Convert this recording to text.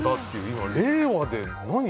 今、令和で何？